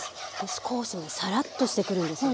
少しねサラッとしてくるんですよ。